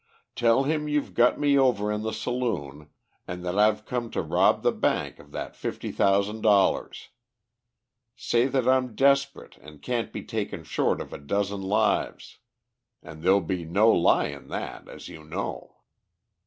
Tell him you've got me over in the saloon, and that I've come to rob the bank of that fifty thousand dollars. Say that I'm desperate and can't be taken short of a dozen lives, and there is no lie in that, as you know.